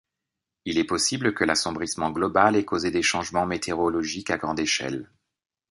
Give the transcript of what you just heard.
Il est possible que l'assombrissement global ait causé des changements météorologiques à grande échelle.